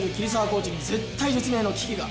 コーチに絶体絶命の危機が。